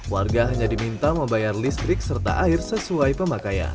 warga hanya diminta membayar listrik serta air sesuai pemakaian